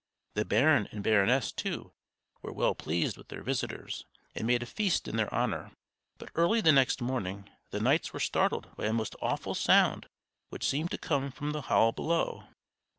The baron and baroness, too, were well pleased with their visitors, and made a feast in their honor; but early the next morning, the knights were startled by a most awful sound which seemed to come from the hall below.